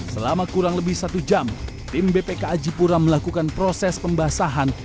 selama kurang lebih satu jam tim bpk ajipura melakukan proses pembasahan